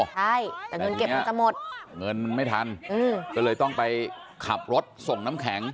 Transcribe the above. ใช่แต่เงินเก็บมันจะหมดเงินมันไม่ทันก็เลยต้องไปขับรถส่งน้ำแข็ง